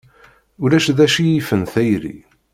Ulac d acu yifen tayri.